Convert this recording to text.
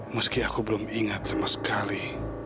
meski aku belum ingat sama sekali